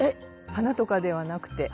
花とかではなくて。